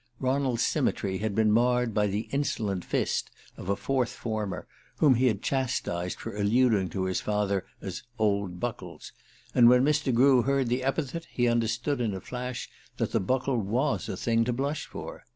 Ronald's symmetry had been marred by the insolent fist of a fourth former whom he had chastised for alluding to his father as "Old Buckles;" and when Mr. Grew heard the epithet he understood in a flash that the Buckle was a thing to blush for.